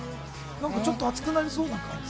ちょっと暑くなりそうな感じ？